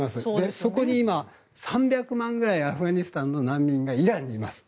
そこに今、３００万くらいアフガニスタンの難民がイランにいます。